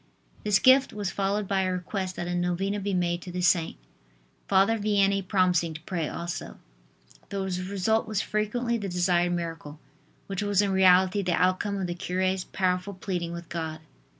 This gift was followed by a request that a novena be made to the saint, Father Vianney promising to pray also. The result was frequently the desired miracle, which was in reality the outcome of the cure's powerful pleading with God.